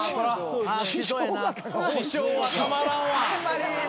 師匠はたまらんわ。